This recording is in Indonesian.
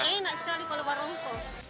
enak sekali kalau barongko